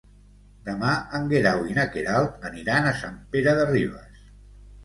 Demà en Guerau i na Queralt aniran a Sant Pere de Ribes.